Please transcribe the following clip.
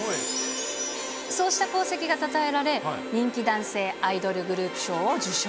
そうした功績がたたえられ、人気男性アイドルグループ賞を受賞。